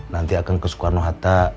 nanti akan ke soekarno hatta